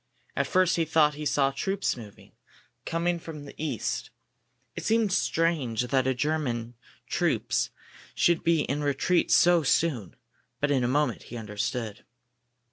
At first he thought he saw troops moving, coming from the east. It seemed strange that German troops should be in retreat so soon, but in a moment he understood.